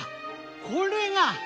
これが。